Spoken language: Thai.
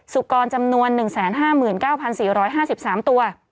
สุกรจำนวน๑๕๙๔๕๓ตัว